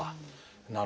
なるほど。